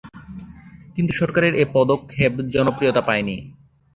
কিন্তু সরকারের এ পদক্ষেপ জনপ্রিয়তা পায়নি।